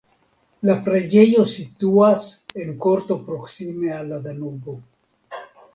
La preĝejo situas en korto proksime al la Danubo.